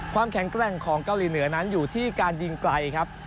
ความแข็งแกร่งของเกาหลีเหนือนั้นอยู่ที่การยิงไกลครับ